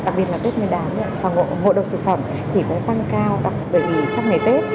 đặc biệt là tết nguyên đán phòng ngộ độc thực phẩm thì cũng tăng cao bởi vì trong ngày tết